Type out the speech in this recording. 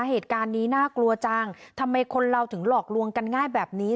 เหตุการณ์นี้น่ากลัวจังทำไมคนเราถึงหลอกลวงกันง่ายแบบนี้